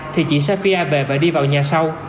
thì chị safia về và đi vào nhà sau